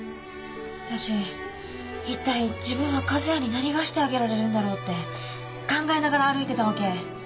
私いったい自分は和也に何がしてあげられるんだろうって考えながら歩いてたわけ。